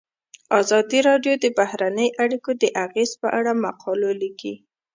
ازادي راډیو د بهرنۍ اړیکې د اغیزو په اړه مقالو لیکلي.